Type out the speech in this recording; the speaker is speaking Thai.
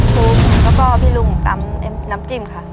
ฟุ๊กแล้วก็พี่ลุงตำน้ำจิ้มค่ะ